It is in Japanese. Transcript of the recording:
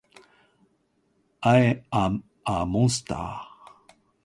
アイアムアモンスター